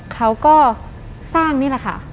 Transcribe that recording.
เขาก็สร้างนี่แหละค่ะ